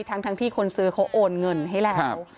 ทั้งที่คนซื้อเขาโอนเงินให้แล้ว